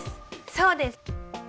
そうです！